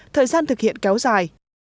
thời gian thực hiện kéo dài